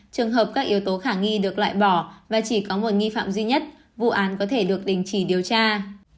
trường hợp các yếu tố khả nghi được loại bỏ và chỉ có một nghi phạm duy nhất vụ án có thể được đình chỉ điều tra